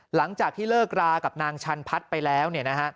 หลังจากที่เลิกรากับนางชันพัฒน์ไปแล้ว